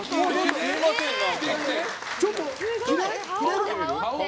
ちょっと、着れる？